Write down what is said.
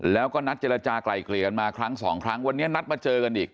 แล้วก็นัดเจรจากลายเกลี่ยกันมาครั้งสองครั้งวันนี้นัดมาเจอกันอีก